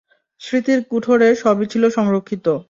স্মৃতির কুঠোরে সবই ছিল সংরক্ষিত।